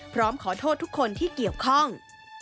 พร้อมขอโทษทุกคนที่เกี่ยวข้อง